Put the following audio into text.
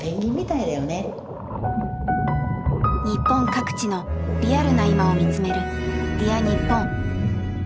日本各地のリアルな今を見つめる「Ｄｅａｒにっぽん」。